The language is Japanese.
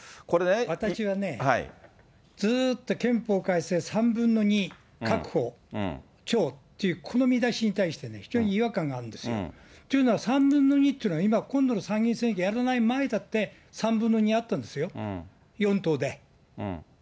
私はね、ずっと憲法改正３分の２確保超っていうこの見出しに対して、非常に違和感があるんですよ。というのは、３分の２というのは今、今度の参議院選挙やらない前だって、３分の２あったんですよ。